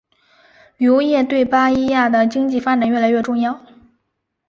旅游业对巴伊亚的经济发展越来越重要。